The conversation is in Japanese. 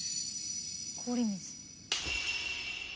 氷水？